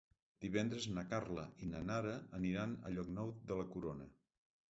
Divendres na Carla i na Nara aniran a Llocnou de la Corona.